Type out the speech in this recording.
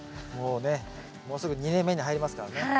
もうねもうすぐ２年目に入りますからね。